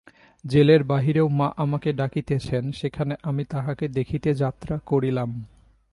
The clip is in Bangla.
জেলের বাহিরেও মা আমাকে ডাকিতেছেন, সেখানে আমি তাঁহাকে দেখিতে যাত্রা করিলাম।